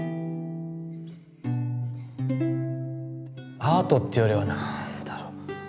アートっていうよりは何だろう